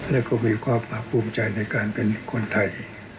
และก็มีความภาคภูมิใจในการเป็นคนไทย